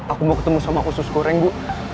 aku mau ketemu sama usus goreng bu